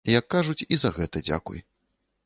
Як кажуць, і за гэта дзякуй.